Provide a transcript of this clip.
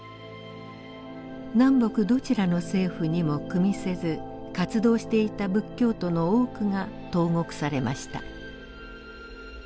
南北どちらの政府にもくみせず活動していた仏教徒の多くが投獄されました。